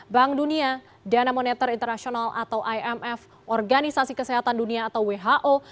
bank dunia dana moneter internasional atau imf organisasi kesehatan dunia atau who